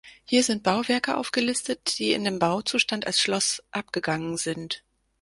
Hier sind Bauwerke aufgelistet, die in dem Bauzustand als Schloss abgegangen sind.